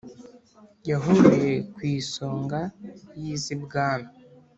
Yahuruye ku isonga y'iz'ibwami